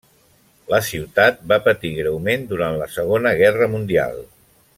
La ciutat va patir greument durant la Segona Guerra Mundial.